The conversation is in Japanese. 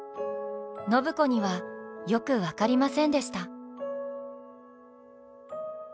暢子にはよく分かりませんでした。